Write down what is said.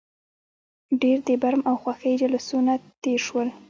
ډېر د برم او خوښۍ جلوسونه تېر شول.